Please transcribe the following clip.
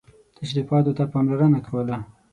تشریفاتو ته پاملرنه کوله.